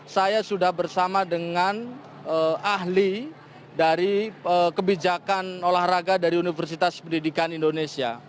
saya sudah bersama dengan ahli dari kebijakan olahraga dari universitas pendidikan indonesia